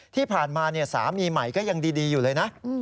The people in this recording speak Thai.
ที่ผ่านมาสามีใหม่ก็ยังดีอยู่เลยนะ